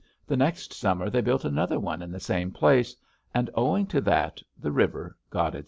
The next summer they built another one in the same place, and owing to that the river got its name.